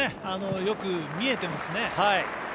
よく見えていますね。